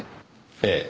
ええ。